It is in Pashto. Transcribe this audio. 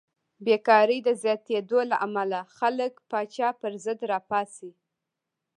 بېکارۍ د زیاتېدو له امله خلک پاچا پرضد راپاڅي.